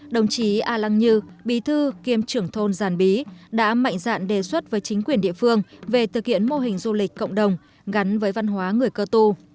đồng chí a lăng như bí thư kiêm trưởng thôn giàn bí đã mạnh dạn đề xuất với chính quyền địa phương về thực hiện mô hình du lịch cộng đồng gắn với văn hóa người cơ tu